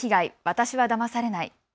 私はだまされない。